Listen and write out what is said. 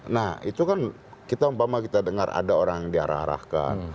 nah itu kan kita dengar ada orang yang diarah arahkan